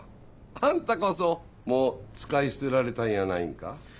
あんたこそもう使い捨てられたんやないんか？